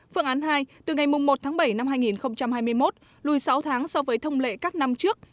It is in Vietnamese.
phương án hai từ ngày một tháng bảy năm hai nghìn hai mươi một lùi sáu tháng so với thông lệ các năm trước